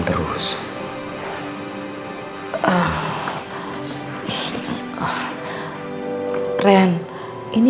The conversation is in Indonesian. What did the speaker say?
terus mbak kat paksa gue buat ibu kep centresi telepon techno itu